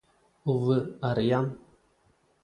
ഉവ്വ് അറിയാം